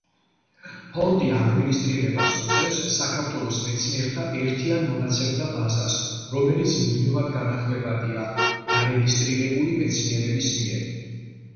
ფონდი ადმინისტრირებას უწევს საქართველოს მეცნიერთა ერთიან მონაცემთა ბაზას, რომელიც მუდმივად განახლებადია დარეგისტრირებული მეცნიერების მიერ.